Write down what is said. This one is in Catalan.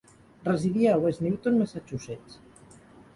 Residia a West Newton, Massachusetts.